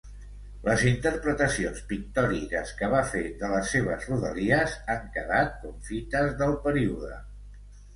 Les interpretacions pictòriques que va fer de les seves rodalies han quedat com fites del període.